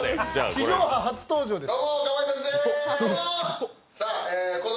地上波初登場です。